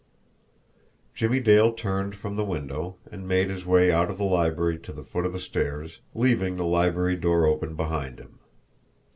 Jimmie Dale turned from the window, and made his way out of the library to the foot of the stairs, leaving the library door open behind him.